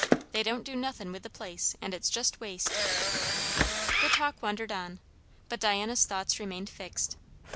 "They don't do nothin' with the place, and it's just waste." The talk wandered on; but Diana's thoughts remained fixed.